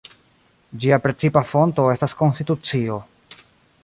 Ĝia precipa fonto estas konstitucio.